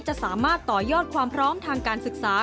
จะสามารถต่อยอดความพร้อมทางการศึกษา